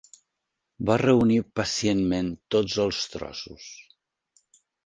Va reunir pacientment tots els trossos.